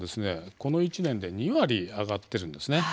この１年で２割上がってるんですね。